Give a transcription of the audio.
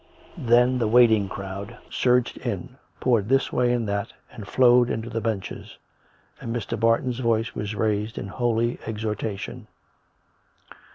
Then the waiting crowd surged in, poured this way and that, and flowed into the benches., And Mr. Barton's voice was raised in holy exhortation.